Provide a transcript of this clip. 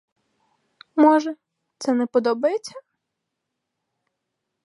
Може, це не подобається?